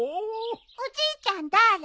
おじいちゃんだあれ？